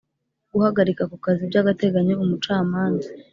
Guhagarika ku kazi by’agateganyo umucamanza